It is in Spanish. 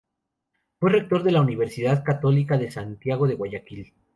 Fue rector de la Universidad Católica de Santiago de Guayaquil.